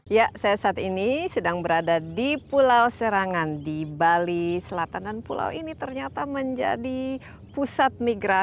ya saya saat ini sedang berada di pulau serangan di bali selatan dan pulau ini ternyata menjadi pusat migrasi